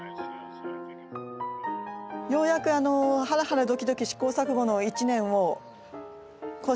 ようやくハラハラドキドキ試行錯誤の１年を越して。